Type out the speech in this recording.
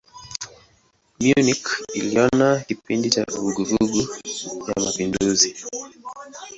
Munich iliona kipindi cha vuguvugu ya mapinduzi.